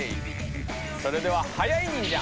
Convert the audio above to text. それでははやい忍者。